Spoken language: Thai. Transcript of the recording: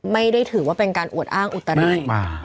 ไม่ได้ถือว่าเป็นการอวดอ้างอุตริมา